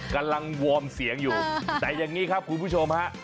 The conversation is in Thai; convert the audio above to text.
กำลังวอร์มเสียงอยู่แต่อย่างนี้ครับคุณผู้ชมฮะ